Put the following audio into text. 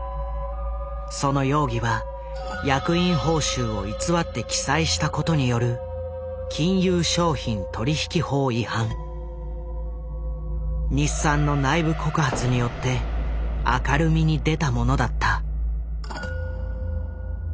その容疑は役員報酬を偽って記載したことによる金融商品取引法違反。によって明るみに出たものだった。